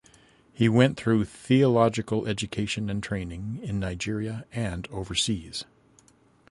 He went through theological education and training in Nigeria and overseas.